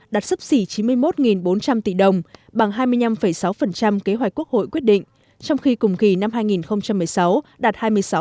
đạt sấp xỉ chín mươi một bốn trăm linh tỷ đồng bằng hai mươi năm sáu kế hoạch quốc hội quyết định trong khi cùng kỳ năm hai nghìn một mươi sáu đạt hai mươi sáu